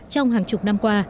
trong hàng chục năm qua